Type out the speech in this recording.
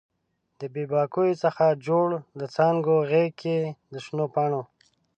د بې باکیو څخه جوړ د څانګو غیږ کې د شنو پاڼو